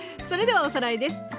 それではおさらいです。